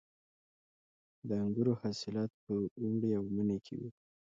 د انګورو حاصلات په اوړي او مني کې وي.